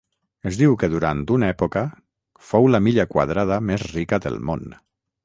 Es diu que durant una època fou la milla quadrada més rica del món.